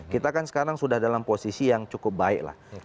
kita kan sekarang sudah dalam posisi yang cukup baik lah